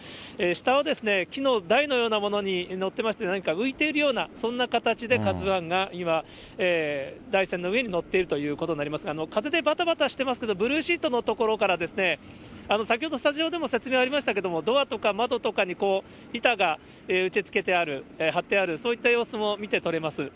下は木の台のようなものに載ってまして、何か浮いてるような、そんな形でＫＡＺＵＩが今、台船の上に載っているということになりますが、風でばたばたしてますけれども、ブルーシートの所から、先ほど、スタジオでも説明ありましたけれども、ドアとか窓とかにこう、板が打ちつけてある、貼ってある、そういった様子も見て取れます。